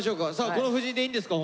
この布陣でいいんですか？